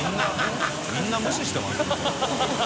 みんな無視してますね。